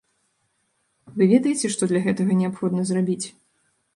Вы ведаеце, што для гэтага неабходна зрабіць?